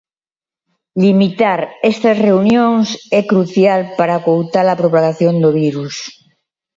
Limitar estas reunións é crucial para acoutar a propagación do virus.